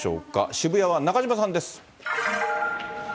渋谷は中島さんです。